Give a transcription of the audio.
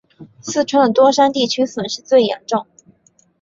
四川的多山地区损失最严重。